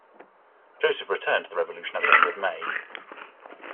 Joseph returned to the Revolution at the end of May.